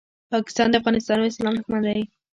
پاکستان د افغانستان او اسلام دوښمن دی